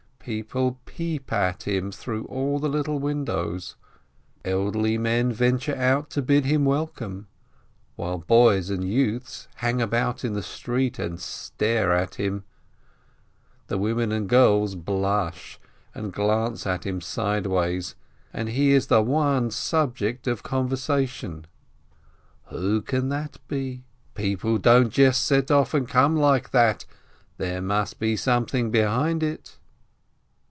People peep at him through all the little windows, elderly men venture out to bid him welcome, while boys and youths hang about in the street and stare at him. The women and girls blush and glance at him sideways, and he is the one subject of conversation : "Who can that be ? People don't just set off and come like that — there must be something behind it."